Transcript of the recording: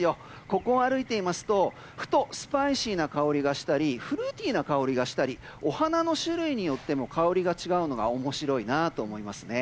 ここを歩いていますとふとスパイシーなかおりがしたりフルーティーなかおりがしたりお花の種類によってもかおりが違うのが面白いなと思います。